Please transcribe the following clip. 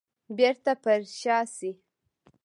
بيرته پر شا شي.